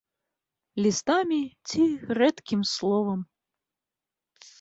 Лістамі ці рэдкім словам.